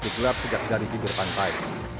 dan gelap segar garigi di pantai